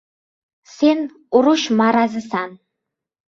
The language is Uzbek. Sen — urush marazisan!